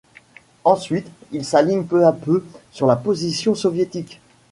Ensuite, il s'aligne peu à peu sur la position soviétique.